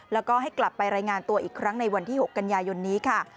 แล้วก็ให้กลับไปรายงานตัวอีกครั้งในวันที่๖กันยายนนี้ค่ะ